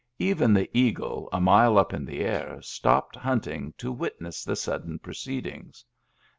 Even the eagle, a mile up in the air, stopped hunting to witness the sudden proceedings.